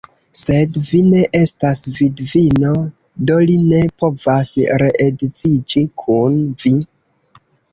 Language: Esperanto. Sed vi ne estas vidvino; do li ne povas reedziĝi kun vi.